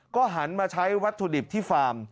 ก็หันมาใช้วัตถุดิบที่ฟาร์ม